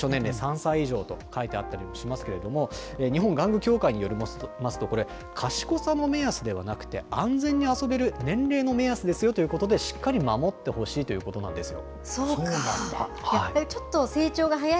対象年齢３歳以上と書いてあったりもしますけれども、日本玩具協会によりますと、これ、賢さの目安ではなくて、安全に遊べる年齢の目安ですよということで、しっかり守ってほしいということなんですよ。